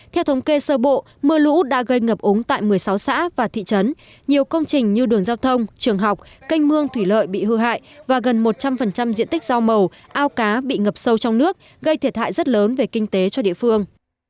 theo thống kê sơ bộ mưa lũ đã gây ngập ống tại một mươi sáu xã và thị trấn nhiều công trình như đường giao thông trường học canh mương thủy lợi bị hư hại và gần một trăm linh diện tích rau màu ao cá bị ngập sâu trong nước gây thiệt hại rất lớn về kinh tế cho địa phương